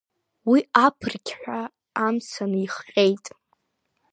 Уи аԥырқьҳәа амца наихҟьеит.